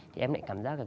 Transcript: thì em lại cảm giác